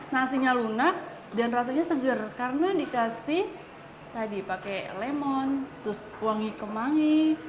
nasi nya lunak dan rasanya seger karena dikasih tadi pakai lemon terus wangi kemangi